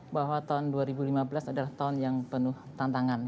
bahwa tahun dua ribu lima belas adalah tahun yang penuh tantangan